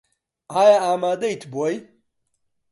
ئایا ئامادەیت بۆی؟